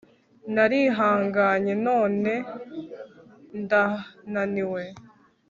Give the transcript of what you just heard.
narihanganye, none ndananiwe